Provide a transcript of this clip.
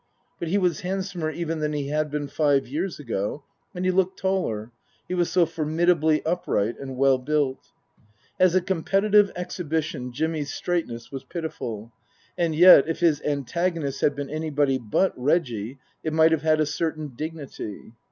But he was handsomer even than he had been five years ago, and he looked taller, he was so formidably upright and well built. (As a competitive exhibition Jimmy's straightness was pitiful. And yet, if his anta gonist had been anybody but Reggie, it might have had a certain dignity.)